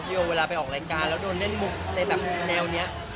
โอเวลาไปออกรายการแล้วโดนเล่นมุกในแบบแนวนี้